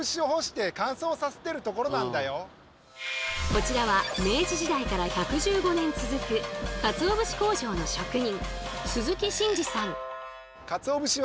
こちらは明治時代から１１５年続くかつお節工場の職人